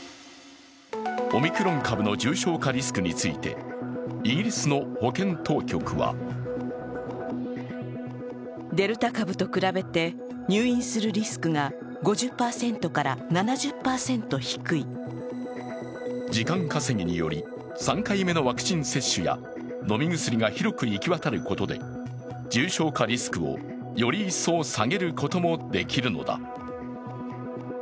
オミクロン株の重症化リスクについてイギリスの保健当局は時間稼ぎにより３回目のワクチン接種や飲み薬が広く行き渡ることで重症化リスクをより一層下げることもできるのだ。